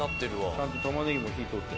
ちゃんと玉ねぎも火通って。